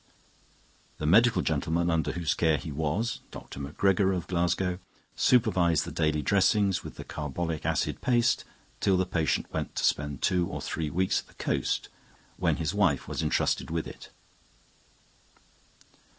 The medical gentleman under whose care he was (Dr. Macgregor, of Glasgow) supervised the daily dressing with the carbolic acid paste till the patient went to spend two or three weeks at the coast, when his wife was entrusted with it.